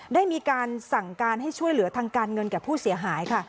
ได้มีการสั่งการให้ช่วยเหลือทางการเงินแก่ผู้เสียหายค่ะ